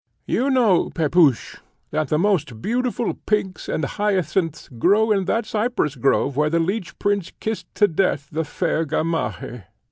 You know, Pepusch, that the most beautiful pinks and hyacinths grow in that cypress grove where the Leech Prince kissed to death the fair Gamaheh.